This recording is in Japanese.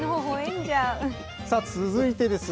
さあ続いてです。